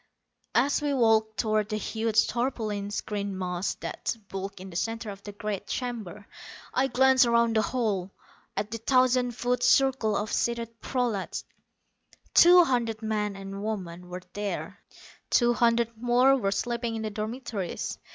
As we walked toward the huge tarpaulin screened mass that bulked in the center of the great chamber, I glanced around the hall, at the thousand foot circle of seated prolats. Two hundred men and women were there; two hundred more were sleeping in the dormitories.